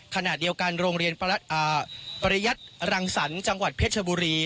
ขณะเดียวกันโรงเรียนปริยัติรังสรรค์จังหวัดเพชรบุรี